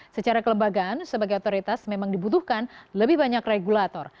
secara kelembagaan sebagai otoritas memang dibutuhkan lebih banyak regulator